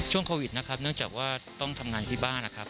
ช่วงโควิดนะครับเนื่องจากว่าต้องทำงานที่บ้านนะครับ